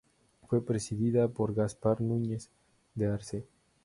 Fue presidida por Gaspar Núñez de Arce.